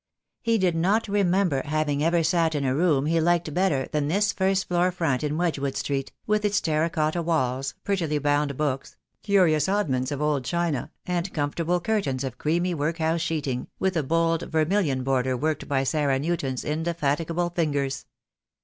He did not remember having ever sat in a room he liked better than this first floor front in Wedgewood Street, with its terra cotta walls, prettily bound books, curious oddments of old china, and comfortable curtains of creamy workhouse sheeting, with a bold vermilion border worked by Sarah Newton's indefatigable fingers.